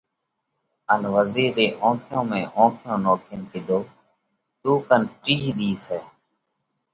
ان وزِير رِي اونکيون ۾ اونکيون نوکينَ ڪِيڌو: تُون ڪنَ ٽِيه ۮِي سئہ۔